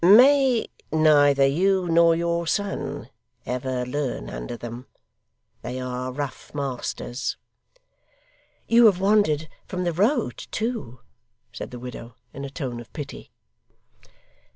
'May neither you nor your son ever learn under them. They are rough masters.' 'You have wandered from the road, too,' said the widow, in a tone of pity.